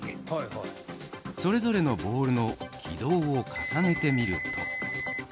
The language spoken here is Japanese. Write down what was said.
［それぞれのボールの軌道を重ねてみると］